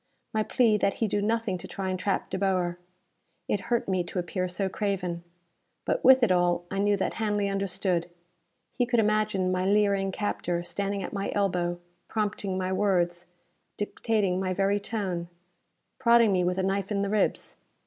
My plea that he do nothing to try and trap De Boer! It hurt me to appear so craven. But with it all, I knew that Hanley understood. He could imagine my leering captor standing at my elbow, prompting my words, dictating my very tone prodding me with a knife in the ribs.